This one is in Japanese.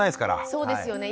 そうですよね。